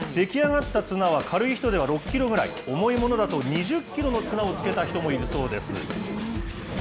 出来上がった綱は、軽い人では６キロぐらい、重いものだと２０キロの綱をつけた人もいるそうです。